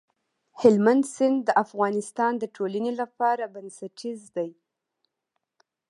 هلمند سیند د افغانستان د ټولنې لپاره بنسټيز دی.